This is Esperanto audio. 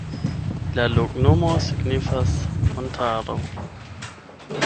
La loknomo signifas: montaro.